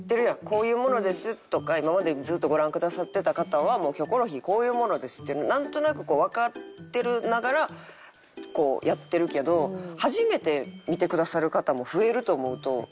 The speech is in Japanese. こういうものですとか今までずっとご覧くださってた方はもう『キョコロヒー』こういうものですっていうのなんとなくわかってながらこうやってるけど初めて見てくださる方も増えると思うと。